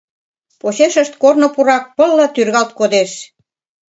Почешышт корно пурак пылла тӱргалт кодеш.